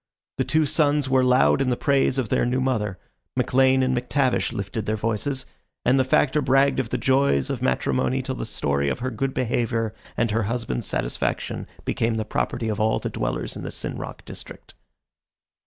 The two sons were loud in the praise of their new mother; McLean and McTavish lifted their voices; and the Factor bragged of the joys of matrimony till the story of her good behaviour and her husband's satisfaction became the property of all the dwellers in the Sin Rock district.